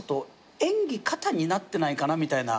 演技過多になってないかなみたいな。